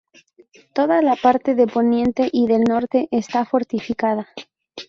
Toda la parte de poniente y del norte está porticada.